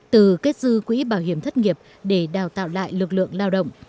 từ kết dư quỹ bảo hiểm thất nghiệp để đào tạo lại lực lượng lao động